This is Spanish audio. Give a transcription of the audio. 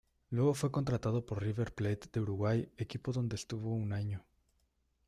Luego fue contratado por River Plate de Uruguay, equipo en donde estuvo un año.